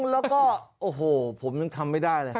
แล้วก็โอ้โหผมยังทำไม่ได้เลย